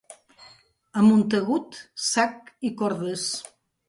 A Montagut, sac i cordes.